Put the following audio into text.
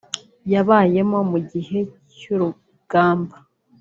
yabayemo mu gihe cy’urugamba